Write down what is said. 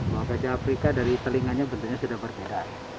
bahwa gajah afrika dari telinganya bentuknya sudah berbeda